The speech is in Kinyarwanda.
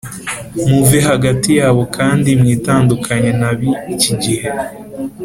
Muve hagati yabo kandi mwitandukanye na bikigihe